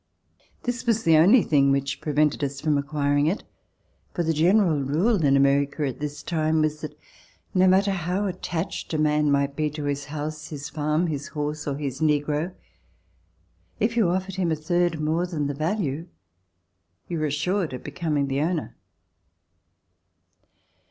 This was the only thing which prevented us from acquiring it, for the general rule In America at this time was that no matter how attached a man might be to his house, his farm, his horse or his negro, if you offered him a third more than the value, you were assured of becoming the owner.